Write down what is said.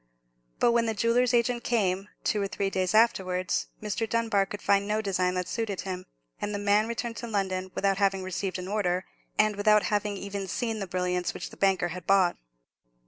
But when the jeweller's agent came, two or three days afterwards, Mr. Dunbar could find no design that suited him; and the man returned to London without having received an order, and without having even seen the brilliants which the banker had bought.